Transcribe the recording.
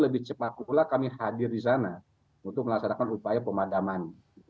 lebih cepat pula kami hadir di sana untuk melaksanakan upaya pemadaman